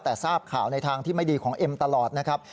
แต่ทราบข่าวในทางที่ไม่ดีของเอ็มตลอดนะครับ